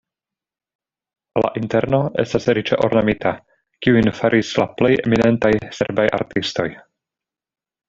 La interno estas riĉe ornamita, kiujn faris la plej eminentaj serbaj artistoj.